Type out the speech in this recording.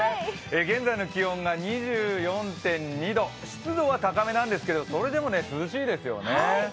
現在の気温が２４．２度、湿度は高めなんですけど、それでも涼しいですよね。